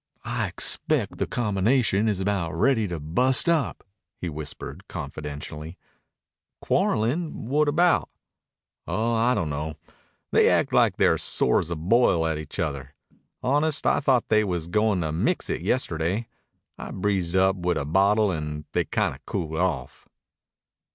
I expect the combination is about ready to bust up," he whispered confidentially. "Quarrelin'? What about?" "Oh, I dunno. They act like they're sore as a boil at each other. Honest, I thought they was goin' to mix it yesterday. I breezed up wit' a bottle an' they kinda cooled off."